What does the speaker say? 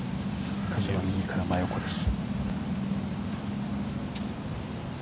風は右から真横です。